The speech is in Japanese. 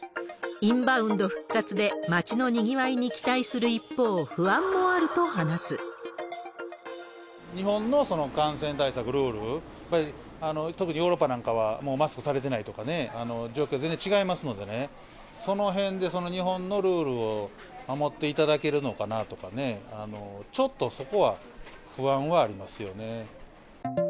インバウンド復活で街のにぎわいに期待する一方、不安もあると話日本の感染対策のルール、やっぱり特にヨーロッパなんかは、もうマスクされてないとかね、状況全然違いますのでね、そのへんで日本のルール、守っていただけるのかなとか、ちょっとそこは、不安はありますよね。